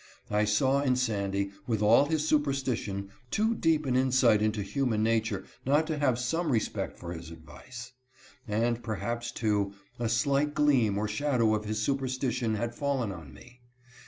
I saw in Sandy, with all his superstition, too deep an in sight into human nature not to have some respect for his advice ; and perhaps, too, a slight gleam or shadow of his superstition had fallen on me.